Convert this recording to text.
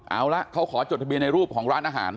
เอาละเขาขอจดทะเบียนในรูปของร้านอาหาร